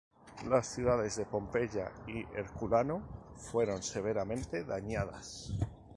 Las ciudades de Pompeya y Herculano fueron severamente dañadas.